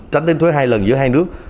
tránh đến thuế hai lần giữa hai nước